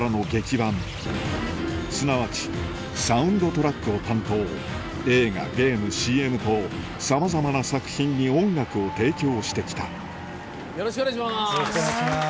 伴すなわちサウンドトラックを担当映画ゲームＣＭとさまざまな作品に音楽を提供して来たよろしくお願いします。